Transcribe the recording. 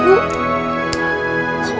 buang asli bu